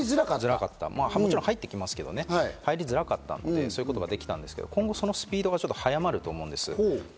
もちろん入ってきますけど入りづらかったのでそういうことができたんですけど今後、そのスピードが早まると思うんです。